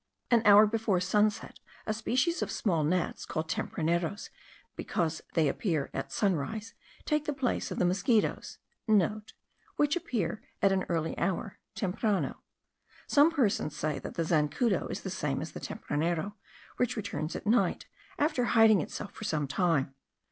An hour before sunset a species of small gnats, called tempraneros,* because they appear also at sunrise, take the place of the mosquitos. (* Which appear at an early hour (temprano). Some persons say, that the zancudo is the same as the tempranero, which returns at night, after hiding itself for some time.